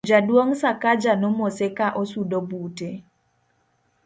jaduong' Sakaja nomose ka osudo bute